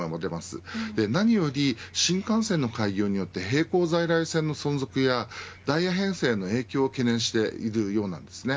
何より新幹線の開業によって並行在来線の存続やダイヤ編成の影響を懸念しているようです。